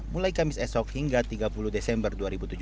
mulai kamis esok hingga tiga puluh desember dua ribu tujuh belas